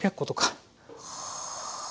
はあ。